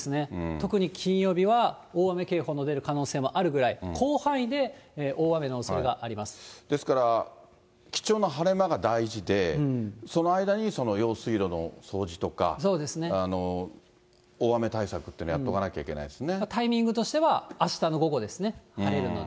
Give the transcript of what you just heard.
特に金曜日は大雨警報の出る可能性もあるぐらい、広範囲で大雨のですから、貴重な晴れ間が大事で、その間に用水路の掃除とか、大雨対策をやっとかなきゃいけなタイミングとしてはあしたの午後ですね、晴れるので。